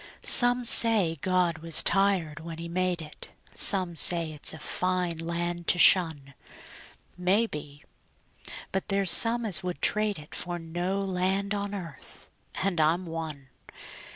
Some say God was tired when He made it; Some say it's a fine land to shun; Maybe; but there's some as would trade it For no land on earth and I'm one.